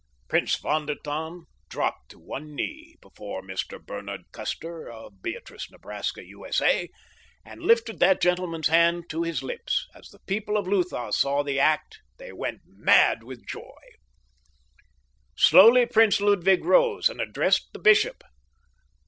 Prince von der Tann dropped to one knee before Mr. Bernard Custer of Beatrice, Nebraska, U.S.A., and lifted that gentleman's hand to his lips, and as the people of Lutha saw the act they went mad with joy. Slowly Prince Ludwig rose and addressed the bishop.